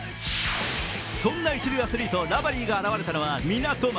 そんな一流アスリート、ラバリーが現れたのは港町。